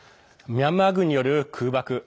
ミャンマー軍による空爆。